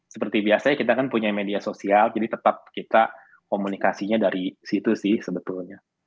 seperti biasa kita kan punya media sosial jadi tetap kita komunikasinya dari situ sih sebetulnya